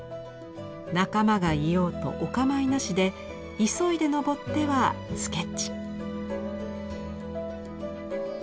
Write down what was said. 仲間がいようとおかまいなしで急いで登ってはスケッチ。